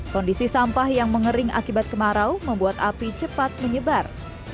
kondisi sampah yang mengering akibat kemarau membuat api cepat menyebar